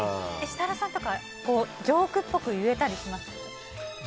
設楽さんとかはジョークっぽく言えたりします？